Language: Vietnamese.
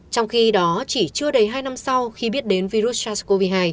trong khi đó chỉ chưa đầy hai năm sau khi biết đến virus sars cov hai